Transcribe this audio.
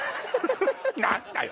何だよ